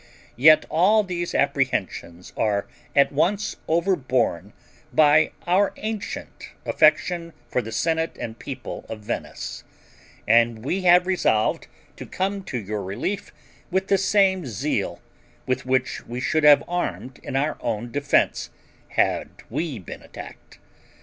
Yet all these apprehensions are at once overborne by our ancient affection for the senate and people of Venice, and we have resolved to come to your relief with the same zeal with which we should have armed in our own defense, had we been attacked.